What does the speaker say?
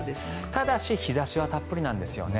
ただし、日差しはたっぷりなんですよね。